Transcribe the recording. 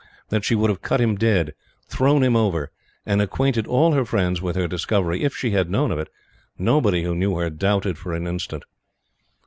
That she would have cut him dead, thrown him over, and acquainted all her friends with her discovery, if she had known of it, nobody who knew her doubted for an instant.